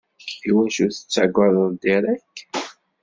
Iwacu tettagadeḍ Derek?